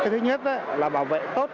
thứ nhất là bảo vệ tốt